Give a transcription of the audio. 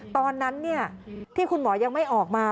ตอนนั้นที่คุณหมอยังไม่ออกมา